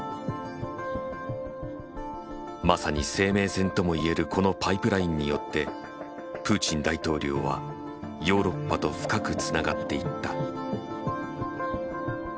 まさに生命線ともいえるこのパイプラインによってプーチン大統領はヨーロッパと深くつながっていった。